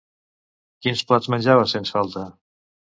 Quins plats menjava sens falta?